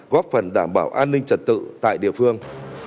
góp phần đảm bảo an ninh trật tự tại địa phương